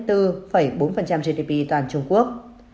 hoặc đến năm mươi bốn bốn gdp toàn trung quốc